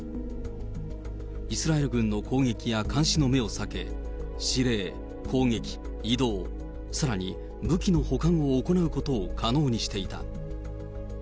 イスラエル軍の攻撃や監視の目を避け、司令、攻撃、移動、さらに武器の保管を行うことを可能にしていた。